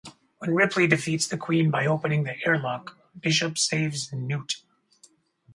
When Ripley defeats the Queen by opening the airlock, Bishop saves Newt.